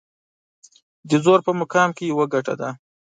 د زور په مقام کې يوه ګټه ده.